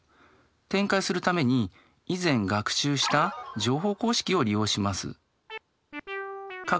展開するために以前学習した乗法公式を利用します。